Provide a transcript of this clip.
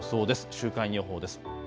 週間予報です。